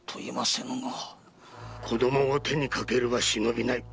子供を手に掛けるは忍びない。